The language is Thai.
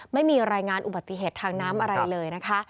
ไม่มีรายงานอุบัติเหตุทางน้ำอะไรเลยนะคะ